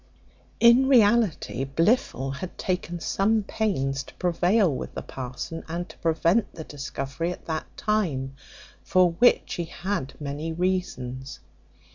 In reality, Blifil had taken some pains to prevail with the parson, and to prevent the discovery at that time; for which he had many reasons.